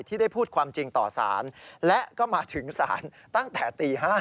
ที่ได้พูดความจริงต่อสารและก็มาถึงศาลตั้งแต่ตี๕